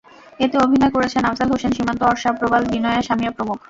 এতে অভিনয় করেছেন আফজাল হোসেন, সীমান্ত, অর্ষা, প্রবাল, বিনয়া, সামিয়া প্রমুখ।